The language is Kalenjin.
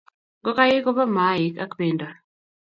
Ngikaik kopo maaik ak pendo